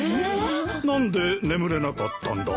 何で眠れなかったんだ？